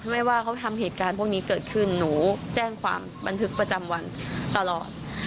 ไม่ว่าเขาทำเหตุการณ์พวกนี้เกิดขึ้นหนูแจ้งความบันทึกประจำวันตลอด